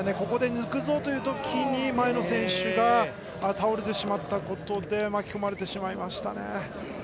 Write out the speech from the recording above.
ここで抜くぞというときに前の選手が倒れてしまったことで巻き込まれてしまいましたね。